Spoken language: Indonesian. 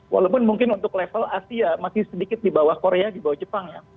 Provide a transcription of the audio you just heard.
walaupun mungkin untuk level asia masih sedikit di bawah korea di bawah jepang ya